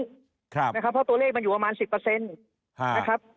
เพราะตัวเลขมันอยู่ประมาณ๑๐นะครับ